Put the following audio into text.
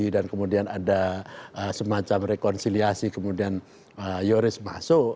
dan kemudian ada semacam rekonsiliasi kemudian yoris masuk